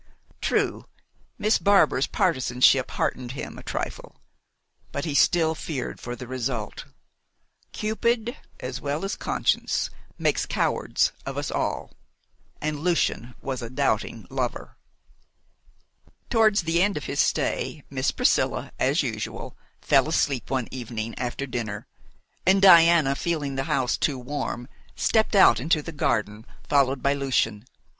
True, Miss Barbar's partisanship heartened him a trifle, but he still feared for the result. Cupid, as well as conscience, makes cowards of us all and Lucian was a doubting lover. Towards the end of his stay Miss Priscilla as usual fell asleep one evening after dinner, and Diana, feeling the house too warm, stepped out into the garden, followed by Lucian.